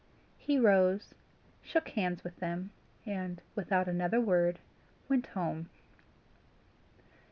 He rose, shook hands with them, and, without another word, went home.